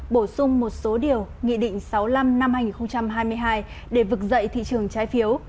bổ sung một số điều nghị định sáu mươi năm năm hai nghìn hai mươi hai để vực dậy thị trường trái phiếu